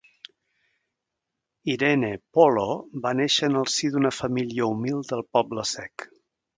Irene Polo va néixer en el si d'una família humil del Poble-sec.